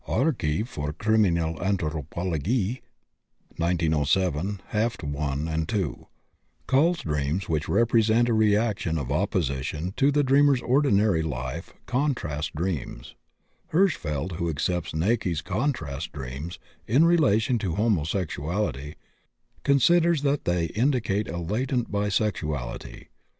Näcke (Archiv für Kriminal Anthropologie, 1907, Heft I, 2) calls dreams which represent a reaction of opposition to the dreamer's ordinary life "contrast dreams." Hirschfeld, who accepts Näcke's "contrast dreams" in relation to homosexuality, considers that they indicate a latent bisexuality.